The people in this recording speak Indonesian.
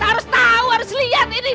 harus tahu harus lihat ini